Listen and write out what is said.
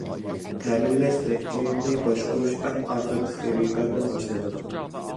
تەمىنلەش زەنجىرىنى باشقۇرۇش ئەڭ ئاخىرقى خېرىداردىن باشلىنىدۇ.